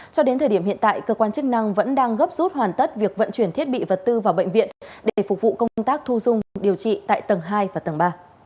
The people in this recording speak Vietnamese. cho đến thời điểm hiện tại cơ quan chức năng vẫn đang gấp rút hoàn tất việc vận chuyển thiết bị vật tư vào bệnh viện để phục vụ công tác thu dung điều trị tại tầng hai và tầng ba